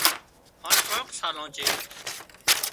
هانَ ڪانڪ سالان چيڙ